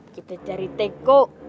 kita cari teko